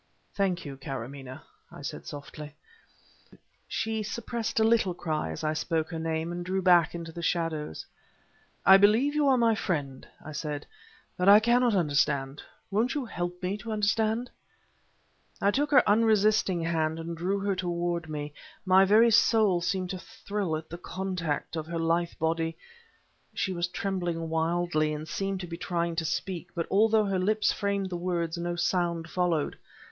"Thank you, Karamaneh," I said, softly. She suppressed a little cry as I spoke her name, and drew back into the shadows. "I believe you are my friend," I said, "but I cannot understand. Won't you help me to understand?" I took her unresisting hand, and drew her toward me. My very soul seemed to thrill at the contact of her lithe body... She was trembling wildly and seemed to be trying to speak, but although her lips framed the words no sound followed.